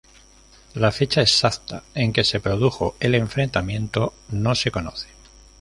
La fecha exacta en que se produjo el enfrentamiento no se conoce.